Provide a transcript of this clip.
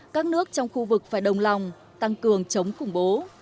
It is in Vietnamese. các nước trong khu vực phải đồng lòng tăng cường chống khủng bố